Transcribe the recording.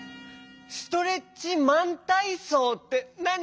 「ストレッチマンたいそう」ってなに？